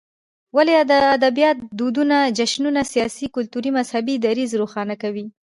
ولسي ادبيات دودنه، جشنونه ،سياسي، کلتوري ،مذهبي ، دريځ روښانه کوي.